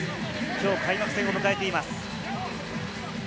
きょう開幕戦を迎えています。